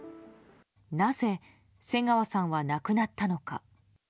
なぜ、瀬川さんは亡くなったのか。